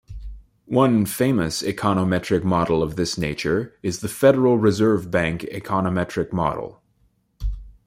One famous econometric model of this nature is the Federal Reserve Bank econometric model.